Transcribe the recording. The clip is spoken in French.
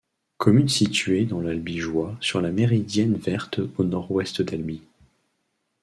Commune située dans l'Albigeois sur la méridienne verte au nord-est d'Albi.